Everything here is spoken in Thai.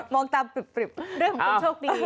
มองตามปริบเรื่องของคนโชคดี